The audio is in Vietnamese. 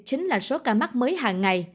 chính là số ca mắc mới hàng ngày